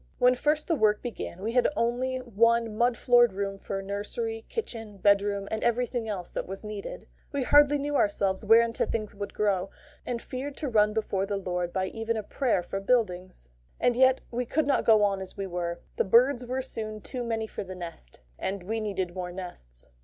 When first the work began, we had only one mud floored room for nursery, kitchen, bedroom, and everything else that was needed. We hardly knew ourselves whereunto things would grow, and feared to run before the Lord by even a prayer for buildings. And yet we could not go on as we were. The birds were soon too many for the nest, and we needed more nests.